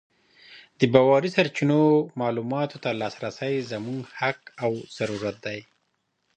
د باوري سرچینو معلوماتو ته لاسرسی زموږ حق او ضرورت دی.